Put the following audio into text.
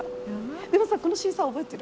でもさこのシーサー覚えてる？